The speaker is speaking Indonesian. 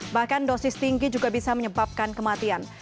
bahkan dosis tinggi juga bisa menyebabkan kematian